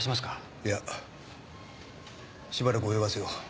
いやしばらく泳がせよう。